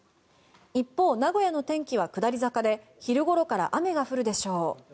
一方、名古屋の天気は下り坂で昼ごろから雨が降るでしょう。